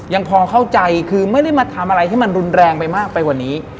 ยังพอเข้าใจคือไม่ได้มาทำอะไรที่มันรุนแรงไปมากไปกว่านี้